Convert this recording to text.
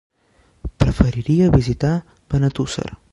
Preferiria visitar Benetússer.